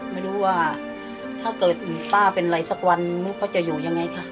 ไม่รู้ว่าถ้าเกิดป้าเป็นอะไรสักวันลูกเขาจะอยู่ยังไงค่ะ